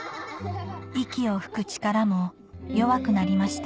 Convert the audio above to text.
息を吹く力も弱くなりました